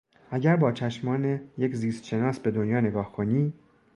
اگر باچشمان یک زیستشناس به دنیا نگاه کنی